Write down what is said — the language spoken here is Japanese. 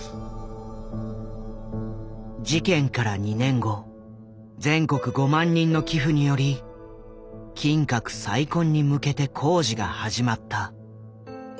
事件から２年後全国５万人の寄付により金閣再建に向けて工事が始まった。